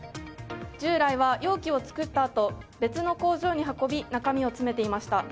従来は容器を作ったあと別の工場に運び中身を詰めていました。